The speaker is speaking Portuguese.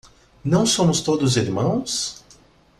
Não somos todos irmãos?